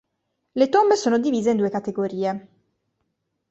Le tombe sono divise in due categorie.